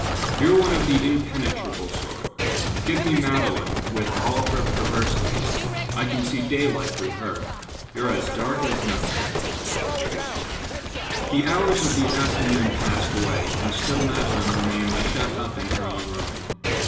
"You're one of the impenetrable sort. Give me Magdalen, with all her perversities; I can see daylight through her. You're as dark as night." The hours of the afternoon passed away, and still Magdalen remained shut up in her own room.